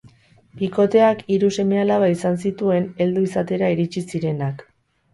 Bikoteak hiru seme alaba izan zituen heldu izatera iritsi zirenak.